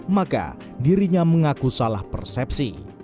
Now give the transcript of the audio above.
maka dirinya mengaku salah persepsi